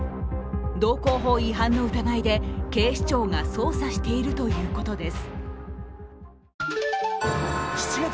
道交法違反の疑いで警視庁が捜査しているということです。